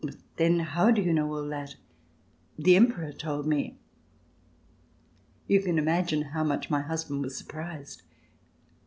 "But, then how do you know all that?" "The Emperor told me." You can imagine how much my husband was surprised.